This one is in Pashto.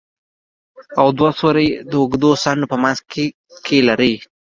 او دوه سوري يې د اوږدو څنډو په منځ کښې لرل.